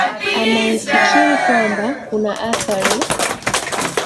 anayefikiri kwamba kuna athari